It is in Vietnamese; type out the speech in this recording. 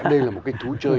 có lẽ đây là một cái thú chơi